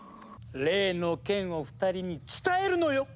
例の件を２人に伝えるのよ！